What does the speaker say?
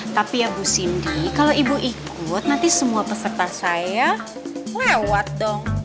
tapi ya bu sindi kalau ibu ikut nanti semua peserta saya lewat dong